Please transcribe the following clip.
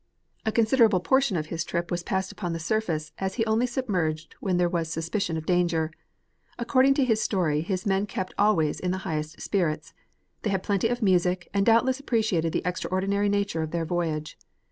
A considerable portion of his trip was passed upon the surface as he only submerged when there was suspicion of danger. According to his story his men kept always in the highest spirits. They had plenty of music, and doubtless appreciated the extraordinary nature of their voyage.